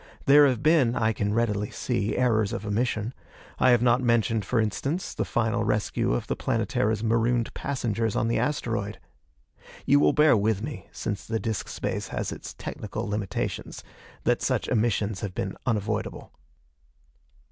There have been, I can readily see, errors of omission. I have not mentioned, for instance, the final rescue of the Planetara's marooned passengers on the asteroid. You will bear with me, since the disc space has its technical limitations, that such omissions have been unavoidable.